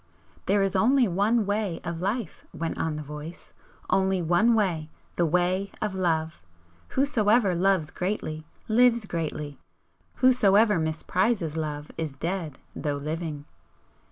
"There is only one Way of Life," went on the Voice "Only one way the Way of Love! Whosoever loves greatly lives greatly; whosoever misprizes Love is dead though living.